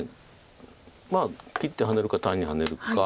まあ切ってハネるか単にハネるか。